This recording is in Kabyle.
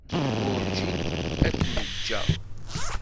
Werǧin ad kem-ǧǧeɣ.